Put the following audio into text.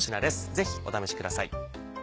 ぜひお試しください。